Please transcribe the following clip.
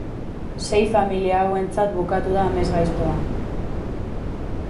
Sei familia hauentzat bukatu da amesgaiztoa.